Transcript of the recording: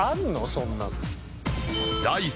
そんなの。